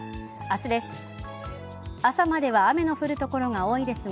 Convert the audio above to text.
明日です。